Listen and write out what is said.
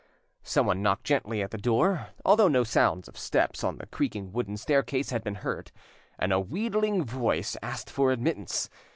Someone knocked gently at the door, although no sound of steps on the creaking wooden staircase had been heard, and a wheedling voice asked for admittance.